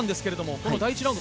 この第１ラウンド